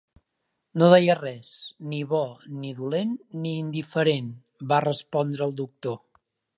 "No deia res –ni bo, ni dolent ni indiferent", va respondre el doctor.